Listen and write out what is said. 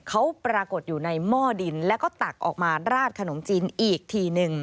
เขาปรากฏอยู่ในหม้อดินแล้วก็ตักออกมาราดขนมจีนอีกทีหนึ่ง